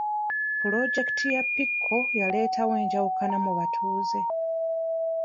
Pulojekiti ya pico yaleetawo enjawukana mu batuuze.